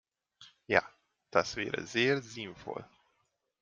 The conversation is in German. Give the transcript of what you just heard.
Ja, das wäre sehr sinnvoll.